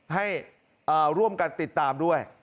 ให้ร่วมกันติดตามด้วย